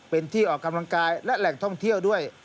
เป็นที่ออกกำลังกายและแหล่งท่องเที่ยวด้วย